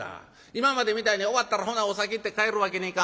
今までみたいに終わったら『ほなお先』って帰るわけにいかん。